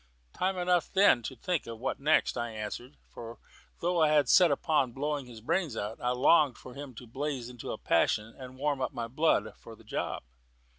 "Time enough then to think of 'what next,'" I answered; for though I was set upon blowing his brains out, I longed for him to blaze out into a passion and warm up my blood for the job.